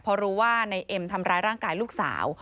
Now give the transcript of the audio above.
เพราะรู้ว่านายเอ็มทำร้ายร่างกายลูกสาว